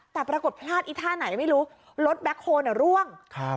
แต่ปรากฏพลาดอีท่าไหนไม่รู้รถแบ็คโฮลร่วงครับ